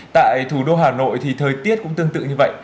tại thủ đô hà nội thì thời tiết cũng tương tự như vậy